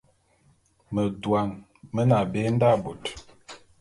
Medouan mene abé nda bot.